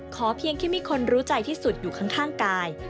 เพียงที่มีคนรู้ใจที่สุดอยู่ข้างกาย